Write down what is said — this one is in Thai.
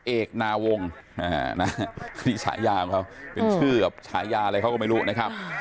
เอกนาวงศ์นี่ฉายาของเขาเป็นชื่อกับฉายาอะไรเขาก็ไม่รู้นะครับ